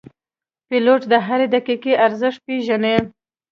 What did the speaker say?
پیلوټ د هرې دقیقې ارزښت پېژني.